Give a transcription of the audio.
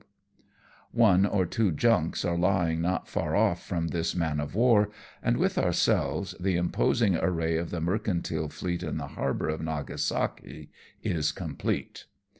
136 AMONG TYPHOONS AND PIRATE CRAFT One or two junks are lying not far off from this man of war, and, wifli ourselves, the imposing array of the mercantile fleet in the harbour of Nagasaki is com plete.